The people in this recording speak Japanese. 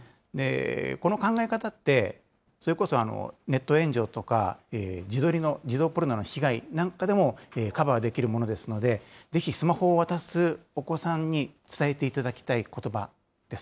この考え方って、それこそネット炎上とか、自撮りの、児童ポルノの被害なんかでもカバーできるものですので、ぜひスマホを渡すお子さんに伝えていただきたいことばです。